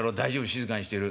「静かにしてろ」。